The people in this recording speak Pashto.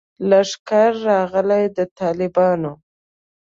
لښکر راغلی د طالبانو